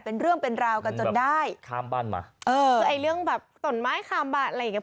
เป็นเรื่องเป็นราวกันจนได้ข้ามบ้านมาเออคือไอ้เรื่องแบบตนไม้ข้ามบ้านอะไรอย่างเงี้